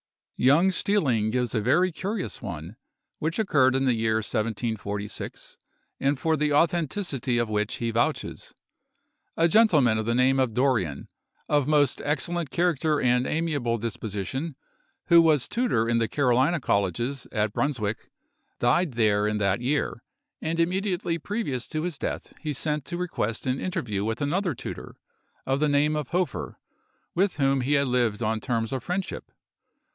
Jung Stilling gives a very curious one, which occurred in the year 1746, and for the authenticity of which he vouches. A gentleman of the name of Dorrien, of most excellent character and amiable disposition, who was tutor in the Carolina Colleges, at Brunswick, died there in that year; and immediately previous to his death he sent to request an interview with another tutor, of the name of Hofer, with whom he had lived on terms of friendship.